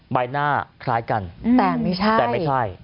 ใบหน้าคล้ายกันแต่ไม่ใช่